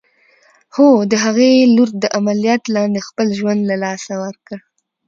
هو! د هغې لور د عمليات لاندې خپل ژوند له لاسه ورکړ.